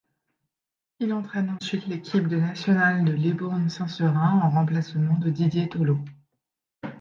Il entraîne ensuite l'équipe de National de Libourne Saint-Seurin, en remplacement de Didier Tholot.